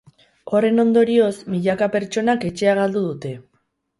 Horren ondorioz, milaka pertsonak etxea galdu dute.